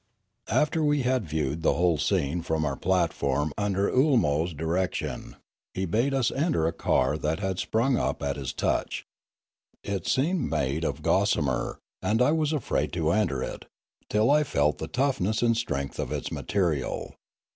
After we had viewed the whole scene from our plat form under Oolmo's direction, he bade us enter a car that had sprung up at his touch. It seemed made of Fialume 69 gossamer, and I was afraid to enter it, till I felt the toughness and strength of its material.